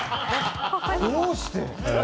どうして！